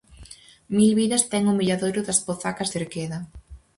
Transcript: Mil vidas ten o Milladoiro das Pozacas de Cerqueda.